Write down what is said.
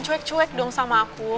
cuek cuek dong sama aku